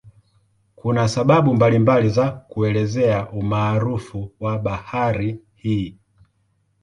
Kuna sababu mbalimbali za kuelezea umaarufu wa bahari hii.